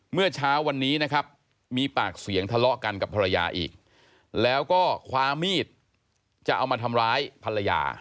เมื่อเช้าวันนี้นะครับมีปากเสียงทะเลาะกันกับภรรยาอีกแล้วก็คว้ามีดจะเอามาทำร้ายภรรยา